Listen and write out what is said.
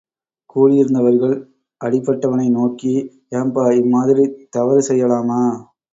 கூடியிருந்தவர்கள், அடிப்பட்டவனை நோக்கி, ஏம்பா, இம்மாதிரித் தவறு செய்யலாமா?